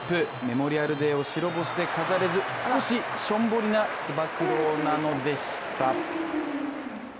メモリアルデーを白星で飾れず少ししょんぼりなつば九郎なのでした。